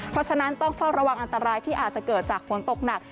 เพราะฉะนั้นต้องเฝ้าระวังอันตรายที่อาจจะเกิดจากฝนตกหนัก